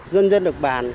dân dân được bàn